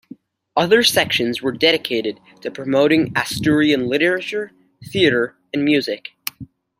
Other sections were dedicated to promoting Asturian literature, theatre and music.